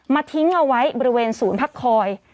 ทิ้งเอาไว้บริเวณศูนย์พักคอย